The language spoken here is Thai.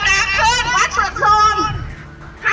ห้ามันต่อมีค่ะหลักฐานนี้ไปดูในสอเทียล